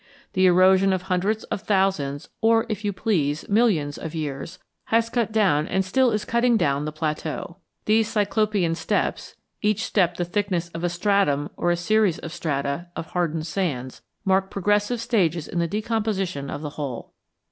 The erosion of hundreds of thousands, or, if you please, millions of years, has cut down and still is cutting down the plateau. These "Cyclopean steps," each step the thickness of a stratum or a series of strata of hardened sands, mark progressive stages in the decomposition of the whole.